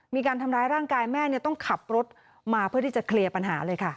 มีการทำร้ายร่างกายแม่ต้องขับรถมาเพื่อที่จะเคลียร์ปัญหาเลยค่ะ